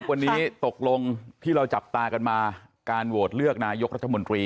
วันนี้ตกลงที่เราจับตากันมาการโหวตเลือกนายกรัฐมนตรี